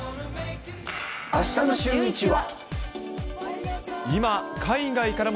あしたのシューイチは。